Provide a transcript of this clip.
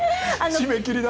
締め切りだ。